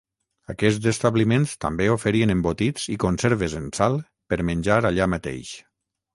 Aquests establiments també oferien embotits i conserves en sal per menjar allà mateix.